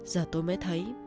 giờ tôi mới thấy mình